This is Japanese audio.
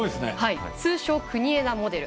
通称・国枝モデル。